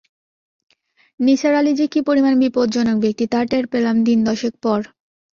নিসার আলি যে কী পরিমাণ বিপজ্জনক ব্যক্তি তা টের পেলাম দিন দশেক পর।